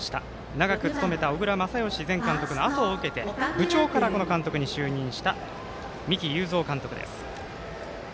長く務めた小倉全由前監督のあとを受けて部長からの監督に就任した三木有造監督です。